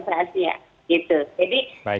karena kita sebagai bangsa asia